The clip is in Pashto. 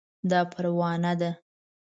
دا پروانه ده